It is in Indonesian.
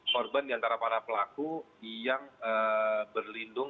korban diantara para pelaku yang berlindung